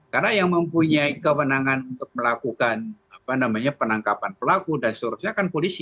karena yang mempunyai kewenangan untuk melakukan penangkapan pelaku dan sebagainya kan polisi